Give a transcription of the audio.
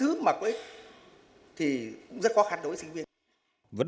thì cũng rất khó khăn đối với sinh viên